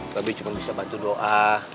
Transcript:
mbak be cuma bisa bantu doa